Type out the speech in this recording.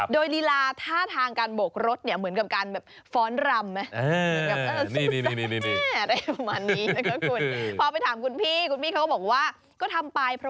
โดยลีลาท่าทางการโบกรถเหมือนกับการฟ้อนรำ